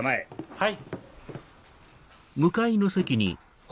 はい。